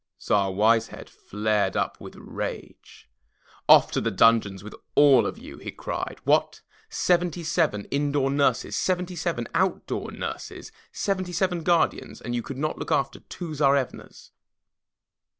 Tsar Wise Head flared up with rage. "Off to the dungeons with you all!" he cried. "What! seventy seven indoor nurses, seventy seven out door nurses, seventy seven guardians, and you could not all look after two Tsarevnas!"